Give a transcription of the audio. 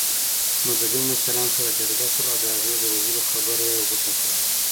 مذهبي مشران سره جرګه شول او د هغې د وژلو خبره يې غوټه کړه.